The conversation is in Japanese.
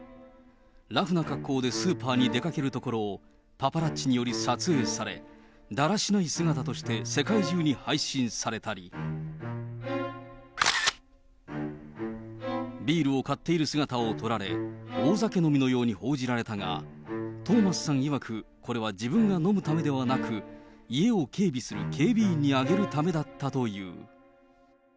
ラフな格好でスーパーに出かけるところをパパラッチにより撮影され、だらしない姿として世界中に配信されたり、ビールを買っている姿を撮られ、大酒飲みのように報じられたが、トーマスさんいわく、これは自分が飲むためではなく、家を警備する警備員にあげるためだったという。